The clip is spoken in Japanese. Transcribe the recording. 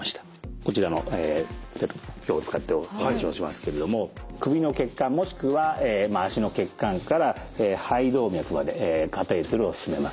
こちらの表を使ってお話をしますけれども首の血管もしくは脚の血管から肺動脈までカテーテルを進めます。